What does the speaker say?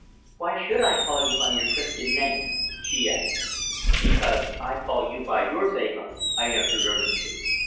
"Why should I call you by your Christian name?" she asked. "Because I call you by yours, Eva," I answered earnestly.